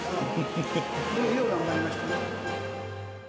よう頑張りましたね。